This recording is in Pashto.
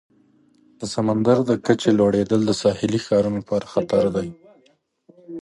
د سمندر د کچې لوړیدل د ساحلي ښارونو لپاره خطر دی.